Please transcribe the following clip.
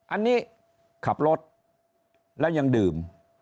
อันนี้ขับรถแล้วยังดื่ม